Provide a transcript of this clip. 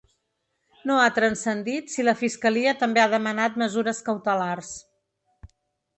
No ha transcendit si la fiscalia també ha demanat mesures cautelars.